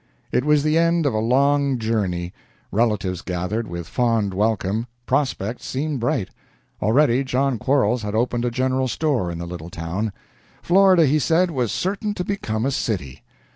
It was the end of a long journey; relatives gathered with fond welcome; prospects seemed bright. Already John Quarles had opened a general store in the little town. Florida, he said, was certain to become a city.